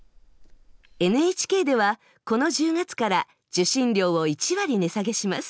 ＮＨＫではこの１０月から受診料を１割値下げします